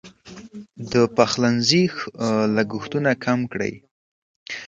د پخلنځي لګښتونه کم کړئ.